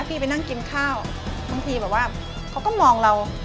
ไปนั่งกินข้าวบางทีแบบว่าเขาก็มองเรา